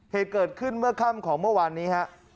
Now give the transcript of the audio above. เหตุเกิดขึ้นเมื่อค่ำของเมื่อวานนี้ฮะ